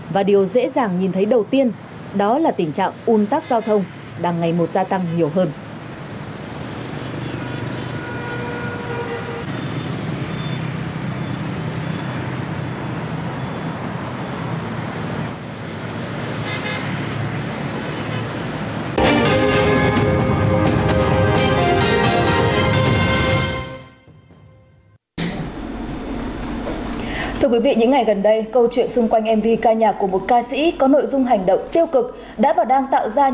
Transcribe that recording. và điều dễ dàng nhìn thấy đầu tiên đó là tình trạng un tắc giao thông đang ngày một gia tăng nhiều hơn